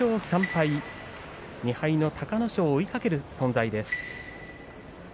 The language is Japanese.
２敗の隆の勝を追いかける存在です。